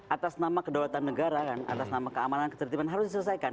atas nama kedaulatan negara kan atas nama keamanan ketertiban harus diselesaikan